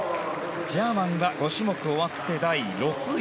ジャーマンは５種目終わって第６位。